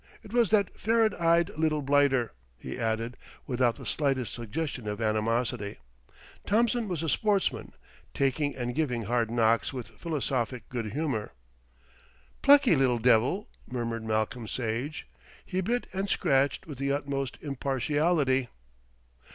It was that ferret eyed little blighter," he added without the slightest suggestion of animosity. Thompson was a sportsman, taking and giving hard knocks with philosophic good humour. "Plucky little devil," murmured Malcolm Sage. "He bit and scratched with the utmost impartiality."